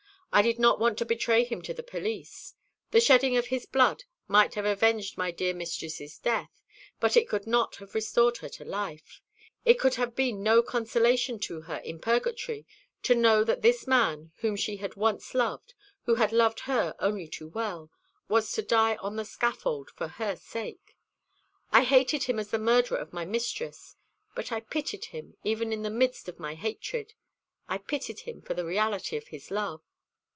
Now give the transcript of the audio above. I did not want to betray him to the police. The shedding of his blood might have avenged my dear mistress's death, but it could not have restored her to life. It could have been no consolation to her in purgatory to know that this man, whom she had once loved, who had loved her only too well, was to die on the scaffold for her sake. I hated him as the murderer of my mistress, but I pitied him even in the midst of my hatred. I pitied him for the reality of his love."